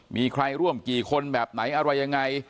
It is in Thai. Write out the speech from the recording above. มีใครร่วมกี่คนแบบไหนอะไรยังไง